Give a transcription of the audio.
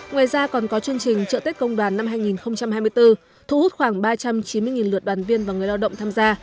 ngoài ra còn có chương trình trợ tết công đoàn năm hai nghìn hai mươi bốn thu hút khoảng ba trăm chín mươi lượt đoàn viên và người lao động tham gia